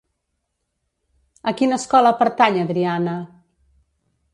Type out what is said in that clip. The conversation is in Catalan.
A quina escola pertany Adriana?